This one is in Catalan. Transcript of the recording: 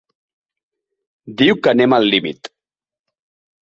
Diu que anem al límit.